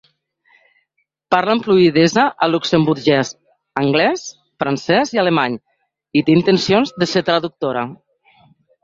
Parla amb fluïdesa el luxemburguès, anglès, francès i alemany, i té intencions de ser traductora.